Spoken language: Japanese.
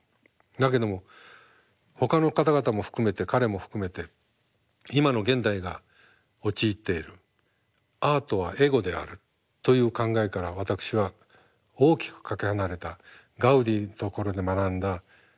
だけどもほかの方々も含めて彼も含めて今の現代が陥っているアートはエゴであるという考えから私は大きくかけ離れたガウディのところで学んだ。